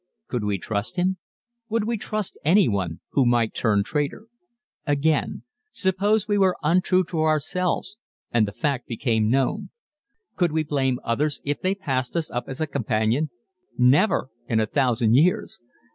Could we trust him? Would we trust anyone who might turn traitor? Again: suppose we were untrue to ourselves, and the fact became known. Could we blame others if they passed us up as a companion? Never in a thousand years.